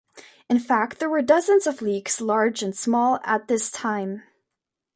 In fact, there were dozens of leagues, large and small, at this time.